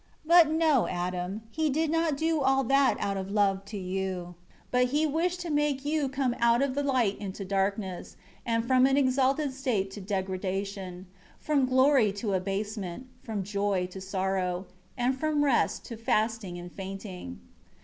8 But no, Adam, he did not do all that out of love to you; but he wished to make you come out of light into darkness; and from an exalted state to degradation; from glory to abasement; from joy to sorrow; and from rest to fasting and fainting."